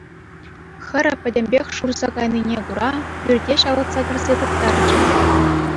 Хӗрӗ пӗтӗмпех шурса кайнине кура пӳрте ҫавӑтса кӗрсе вырттарччӗ.